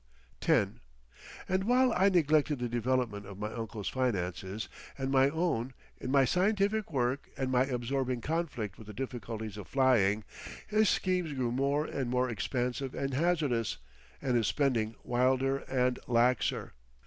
X And while I neglected the development of my uncle's finances—and my own, in my scientific work and my absorbing conflict with the difficulties of flying,—his schemes grew more and more expansive and hazardous, and his spending wilder and laxer.